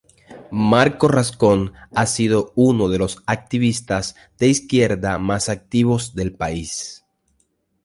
Marco Rascón ha sido uno de los activistas de izquierda más activos del país.